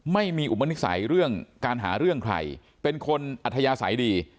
ไม่มีอุปนิสัยเรื่องการหาเรื่องใครเป็นคนอัธยาศัยดี